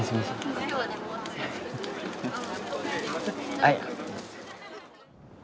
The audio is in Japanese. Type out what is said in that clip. はい。